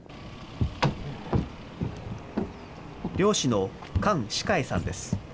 漁師の簡士凱さんです。